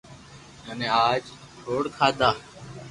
مي اج اکروڌ کادا